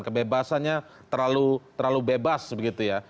kebebasannya terlalu bebas begitu ya